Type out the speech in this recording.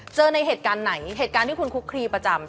เจอในเหตุการณ์ไหนเหตุการณ์ที่คุณคุกคลีประจำ